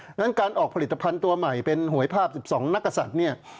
เพราะฉะนั้นการออกผลิตภัณฑ์ตัวใหม่เป็นหวยภาพ๑๒นักศัตริย์เนี่ย